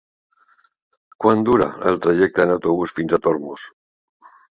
Quant dura el trajecte en autobús fins a Tormos?